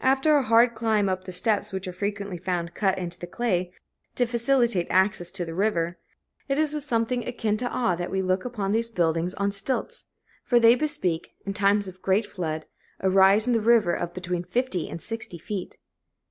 After a hard climb up the steps which are frequently found cut into the clay, to facilitate access to the river, it is with something akin to awe that we look upon these buildings on stilts, for they bespeak, in times of great flood, a rise in the river of between fifty and sixty feet.